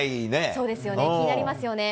そうですよね、気になりますよね。